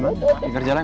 di pinggir jalan